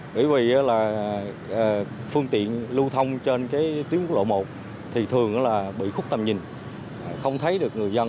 bởi vì phương tiện lưu thông trên tuyến quốc lộ một thường bị khúc tầm nhìn không thấy được người dân